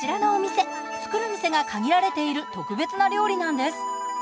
作る店が限られている特別な料理なんです。